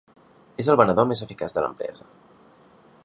És el venedor més eficaç de l'empresa.